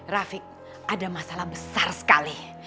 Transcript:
rafiq ada masalah besar sekali